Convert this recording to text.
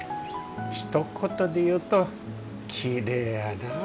ひと言でいうときれいやな。